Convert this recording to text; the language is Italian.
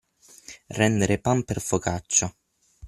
Rendere pan per focaccia.